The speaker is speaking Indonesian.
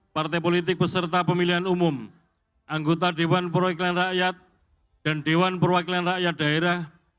partai politik beserta pemilihan umum anggota dewan perwakilan rakyat dan dewan perwakilan rakyat daerah